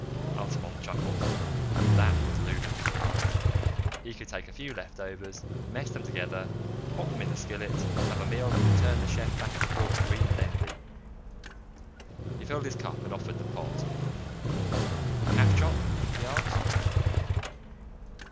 Altamont chuckled. That was Loudons, all right: he could take a few left overs, mess them together, pop them in the skillet, and have a meal that would turn the chef back at the Fort green with envy. He filled his cup and offered the pot. "Caffchoc?" he asked.